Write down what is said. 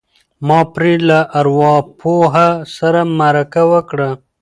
ما پرې له ارواپوه سره مرکه وکړه.